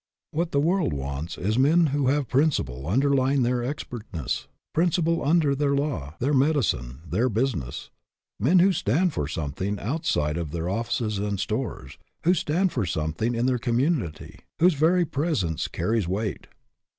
What the world wants is men who have prin ciple underlying their expertness principle under their law, their medicine, their business ; men who stand for something outside of their offices and stores ; who stand for something in their community ; whose very presence carries weight.